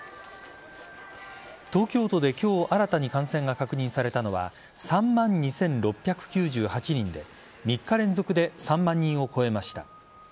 東京都で今日新たに感染が確認されたのは３万２６９８人で３日連続で３万人を超えました。